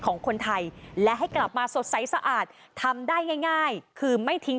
ของคนไทยและให้กลับมาสดใสสะอาดทำได้ง่ายคือไม่ทิ้ง